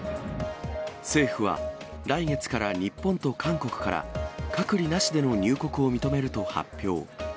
政府は、来月から日本と韓国から、隔離なしでの入国を認めると発表。